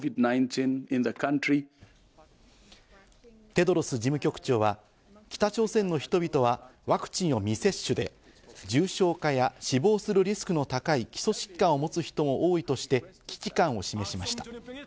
テドロス事務局長は北朝鮮の人々はワクチンを未接種で、重症化や死亡するリスクの高い基礎疾患を持つ人も多いとして危機感を示しました。